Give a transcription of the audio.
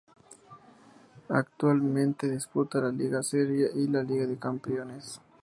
Actualmente disputa la Liga Serbia y la Liga de Campeones.